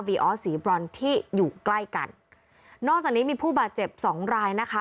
ออสสีบรอนที่อยู่ใกล้กันนอกจากนี้มีผู้บาดเจ็บสองรายนะคะ